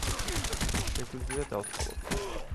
შეგვიძლია დავთვალოთ.